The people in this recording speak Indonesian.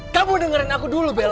kamu dengerin aku dulu bella